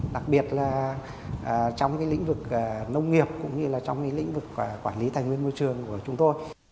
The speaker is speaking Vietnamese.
đặc biệt là trong lĩnh vực nông nghiệp cũng như là trong lĩnh vực quản lý tài nguyên môi trường của chúng tôi